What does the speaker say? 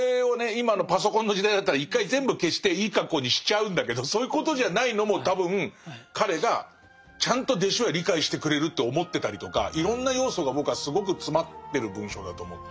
今のパソコンの時代だったら一回全部消していい格好にしちゃうんだけどそういうことじゃないのも多分彼がちゃんと弟子は理解してくれるって思ってたりとかいろんな要素が僕はすごく詰まってる文章だと思って。